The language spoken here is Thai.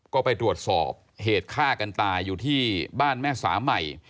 ก็ไปตรวจสอบเหตุฆ่ากันตายอยู่ที่บ้านแม่สาใหม่